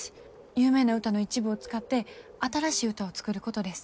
有名な歌の一部を使って新しい歌を作ることです。